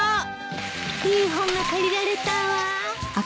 いい本が借りられたわ。